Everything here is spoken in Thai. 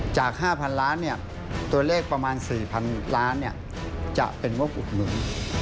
จาก๕๐๐๐ล้านตัวเลขประมาณ๔๐๐๐ล้านจะเป็นงบอุดหนุน